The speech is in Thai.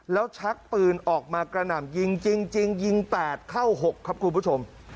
แล้วชักปืนออกมากระหน่ำยิงจริงยิง๘เข้า๖ครับคุณผู้ชม